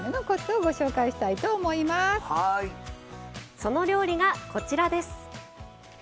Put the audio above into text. その料理がこちらです。